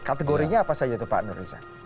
kategorinya apa saja itu pak nur riza